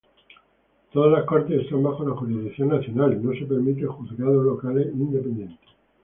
Todas las cortes están bajo la jurisdicción nacional, no se permiten juzgados locales independientes.